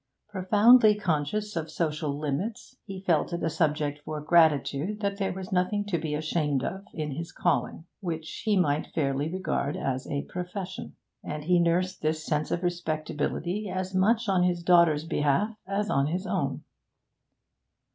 Profoundly conscious of social limits, he felt it a subject for gratitude that there was nothing to be ashamed of in his calling, which he might fairly regard as a profession, and he nursed this sense of respectability as much on his daughter's behalf as on his own.